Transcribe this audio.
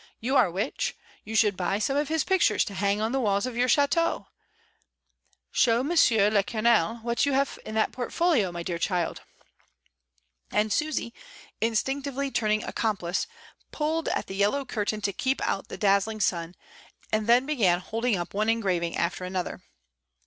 You are rich; you should buy some of his pictures to hang on the walls of your chiteaux. Show M le Colonel what you have in that portfolio, my dear child;" and Susy, instinctively turning accomplice, pulled at the yellow curtain to keep out the daz zling sun, and then began holding up one engraving after another.